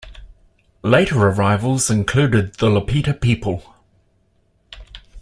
Later arrivals included the Lapita people.